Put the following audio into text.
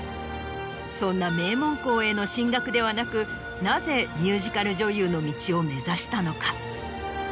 そんな名門校への進学ではなくなぜミュージカル女優の道を目指したのか？